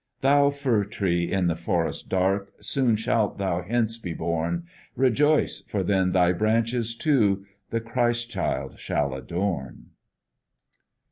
Thou fir tree in the forest dark, Soon shalt thou hence be borne. Rejoice! for then thy branches, too, The Christ child shall adorn.